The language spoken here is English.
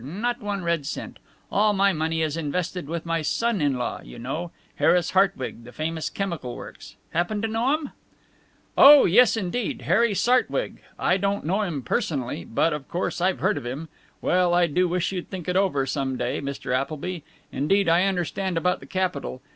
Not one red cent. All my money is invested with my son in law you know, Harris Hartwig, the famous chemical works. Happen to know um?" "Oh yes, indeed! Harry Sartwig. I don't know him personally, but of course I've heard of him. Well, I do wish you'd think it over, some day, Mr. Appleby. Indeed I understand about the capital.